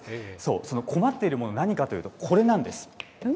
その困っているもの、何かというとこれなんです。